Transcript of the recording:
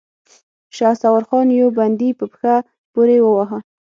شهسوار خان يو بندي په پښه پورې واهه.